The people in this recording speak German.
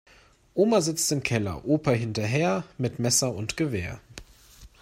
Oma sitzt im Keller, Opa hinterher, mit Messer und Gewehr.